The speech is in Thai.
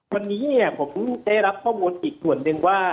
วันนี้ผมได้รับข้อมูลอีกส่วนหนึ่งว่า